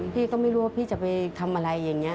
พี่ก็ไม่รู้ว่าพี่จะไปทำอะไรอย่างนี้